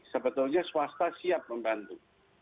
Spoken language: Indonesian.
sebetulnya swasta siap membantu